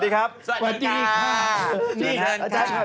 พี่พฤษฐานเชิญนะฮะหญิงกลางหญิงกลางต้องไปรับข้างโน้นน่ะไหม